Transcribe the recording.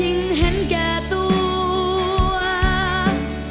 ยิ่งเห็นแกแต้ว